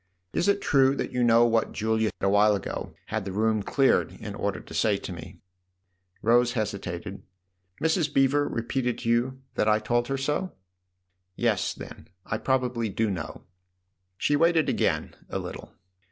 " Is it true that you know what Julia a while ago had the room cleared in order to say to me ?" Rose hesitated. " Mrs. Beever repeated to you that I told her so? Yes, then; I probably do know." She waited again a little.